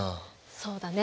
そうだね！